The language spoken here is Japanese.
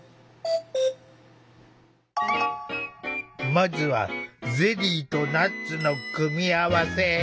まずはゼリーとナッツの組み合わせ。